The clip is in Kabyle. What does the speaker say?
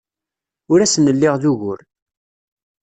Ur asen-lliɣ d ugur.